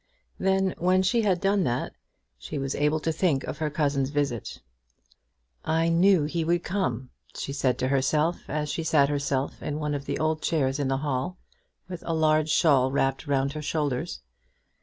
Then, when she had done that, she was able to think of her cousin's visit. "I knew he would come," she said to herself, as she sat herself in one of the old chairs in the hall, with a large shawl wrapped round her shoulders.